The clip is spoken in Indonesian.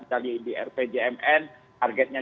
dari idrp jnn targetnya